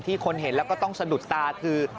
คนเห็นแล้วก็ต้องสะดุดตาคือ